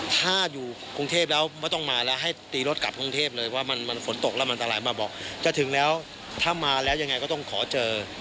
ถ้าอยู่กรุงเทพแล้วไม่ต้องมาแล้วให้ตีรถกลับกรุงเทพเลยว่ามันฝนตกแล้วมันตลายมาบอกจะถึงแล้วถ้ามาแล้วยังไงก็ต้องขอเจอ